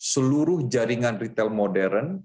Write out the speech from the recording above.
seluruh jaringan retail modern